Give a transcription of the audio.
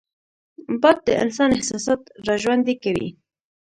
باد د انسان احساسات راژوندي کوي